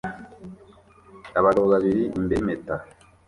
Abagabo babiri imbere yimpeta